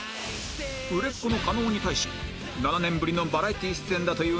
売れっ子の加納に対し７年ぶりのバラエティー出演だというにしおか